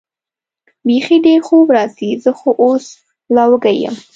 بېخي ډېر خوب راځي، زه خو اوس لا وږی یم.